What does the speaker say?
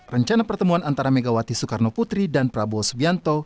rencana pertemuan antara megawati soekarno putri dan prabowo subianto